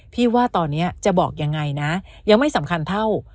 ว่าตอนนี้จะบอกยังไงนะยังไม่สำคัญเท่า